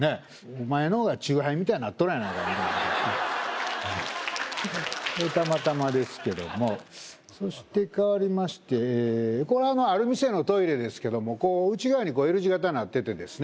お前の方が酎ハイみたいになっとるやないかみたいなこれたまたまですけどもそして変わりましてこれはまあある店のトイレですけどもこう内側にＬ字型になっててですね